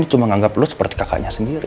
dia cuma nganggep lu seperti kakaknya sendiri